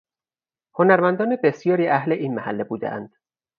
هنرمندان بسیاری اهل این محله بودهاند